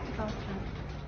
terima kasih ustaz